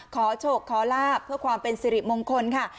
ขอโชคขอลาบเพื่อความเป็นสิริมงคลค่ะ